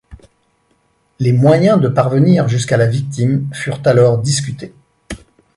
Les moyens de parvenir jusqu’à la victime furent alors discutés.